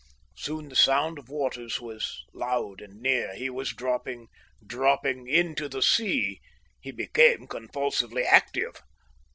Soon the sound of waters was loud and near. He was dropping, dropping into the sea! He became convulsively active.